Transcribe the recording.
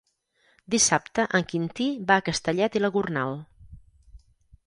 Dissabte en Quintí va a Castellet i la Gornal.